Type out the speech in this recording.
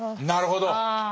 なるほど。